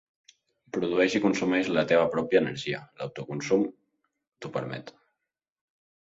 Produeix i consumeix la teva pròpia energia, l'autoconsum t'ho permet!